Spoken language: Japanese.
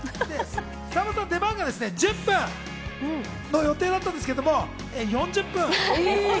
さんまさん出番が１０分の予定だったんですけど、４０分。